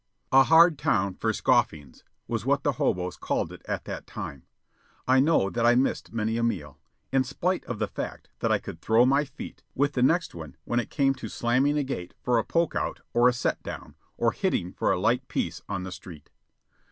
A hard town for "scoffings," was what the hoboes called it at that time. I know that I missed many a meal, in spite of the fact that I could "throw my feet" with the next one when it came to "slamming a gate" for a "poke out" or a "set down," or hitting for a "light piece" on the street.